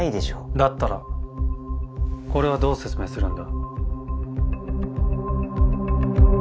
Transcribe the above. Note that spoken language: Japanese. だったらこれはどう説明するんだ？